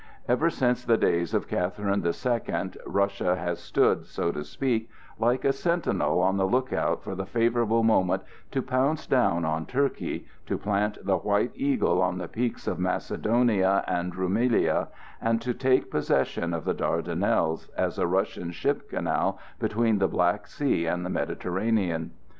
Ever since the days of Catherine the Second Russia has stood, so to speak, like a sentinel on the lookout for the favorable moment to pounce down on Turkey, to plant the White Eagle on the peaks of Macedonia and Roumelia, and to take possession of the Dardanelles as a Russian ship canal between the Black Sea and the Mediterranean.